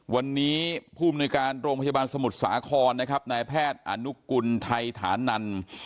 วันนี้ผู้มนุยการโรงพยาบาลสมุทรสาครนะครับนายแพทย์อนุกุลไทยฐานัน